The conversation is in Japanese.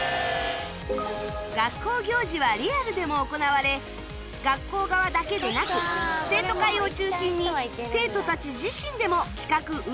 学校行事はリアルでも行われ学校側だけでなく生徒会を中心に生徒たち自身でも企画・運営を行うんですが